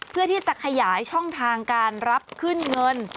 เพื่อที่จะขยายช่องทางการรับขึ้นเงิน